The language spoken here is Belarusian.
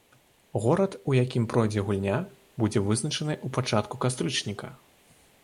Горад, у якім пройдзе гульня, будзе вызначаны ў пачатку кастрычніка.